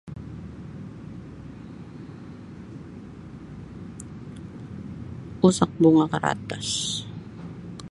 Pusak bunga karatas.